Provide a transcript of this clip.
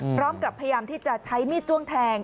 พร้อมกับพยายามที่จะใช้มีดจ้วงแทง